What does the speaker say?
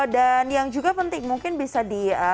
dan yang juga penting mungkin bisa di